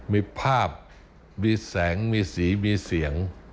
มีภาพมีแสงมีสีมีเสียง